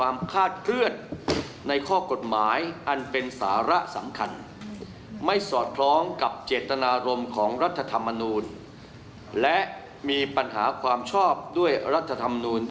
มนุษย์และมีปัญหาความชอบด้วยรัฐธรรมนุษย์